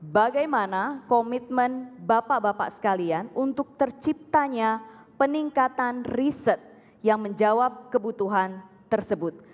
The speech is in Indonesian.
bagaimana komitmen bapak bapak sekalian untuk terciptanya peningkatan riset yang menjawab kebutuhan tersebut